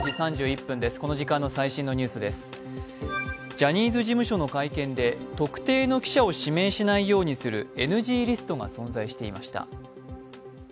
ジャニーズ事務所の会見で特定の記者を指名しないようにするＮＧリストが存在していました。